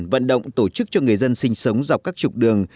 vận động tổ chức cho người dân sinh sống dọc các trục đường